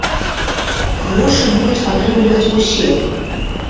Грошы будуць атрымліваць усе.